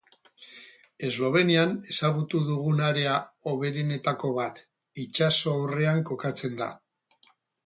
Eslovenian ezagutu dugun area hoberenetako bat. Itsaso aurrean kokatzen da.